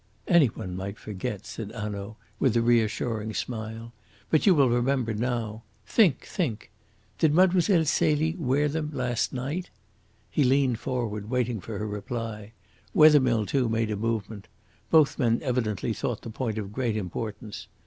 "Any one might forget," said Hanaud, with a reassuring smile. "But you will remember now. Think! think! Did Mlle. Celie wear them last night?" He leaned forward, waiting for her reply. Wethermill too, made a movement. Both men evidently thought the point of great importance.